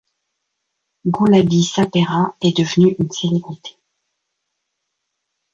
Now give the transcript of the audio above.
Gulabi Sapera est devenue une célébrité.